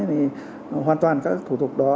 thì hoàn toàn các thủ tục đó